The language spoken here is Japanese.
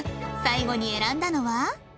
最後に選んだのは